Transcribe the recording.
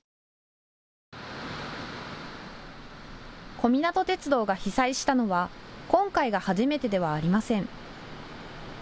小湊鐵道が被災したのは今回が初めてではありません。